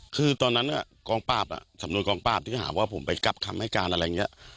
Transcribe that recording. คือตอนนั้นกองปราบสำนวนกองปราบที่หาว่าผมไปกลับคำให้การอะไรอย่างนี้